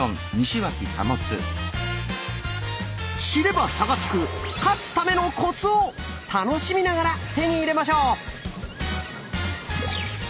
知れば差がつく「勝つためのコツ」を楽しみながら手に入れましょう！